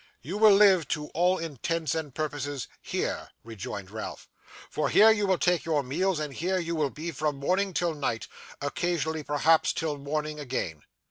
'You will live, to all intents and purposes, here,' rejoined Ralph; 'for here you will take your meals, and here you will be from morning till night occasionally perhaps till morning again.